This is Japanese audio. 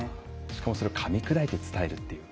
しかもそれをかみ砕いて伝えるという。